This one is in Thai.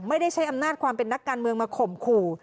ไม่ได้ใช้อำนาจความเป็นนักการเมืองมาข่มขู่